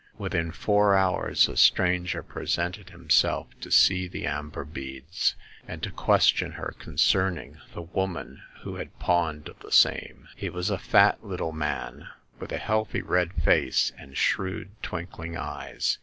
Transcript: Within four hours a stranger presented himself to see the amber beads, and to question her concern ing the woman who had pawned the same. He was a fat little man, with a healthy red face and shrewd twinkling eyes.